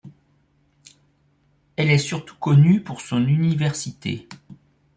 Elle est surtout connue pour son université.